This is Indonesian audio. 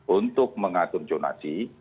untuk mengatur jonasi